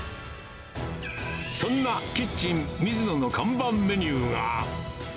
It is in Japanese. そんなキッチン水野の看板メニューは。